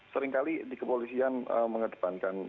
seringkali di kepolisian mengedepankan